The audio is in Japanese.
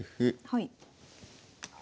はい。